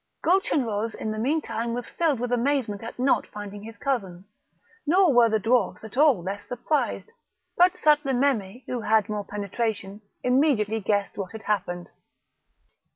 Gulchenrouz in the meanwhile was filled with amazement at not finding his cousin; nor were the dwarfs at all less surprised; but Sutlememe, who had more penetration, immediately guessed what had happened.